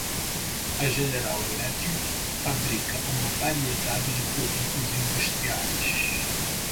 A General Electric fabrica uma variedade de produtos industriais.